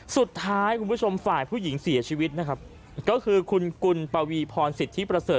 คุณผู้ชมฝ่ายผู้หญิงเสียชีวิตนะครับก็คือคุณกุลปวีพรสิทธิประเสริฐ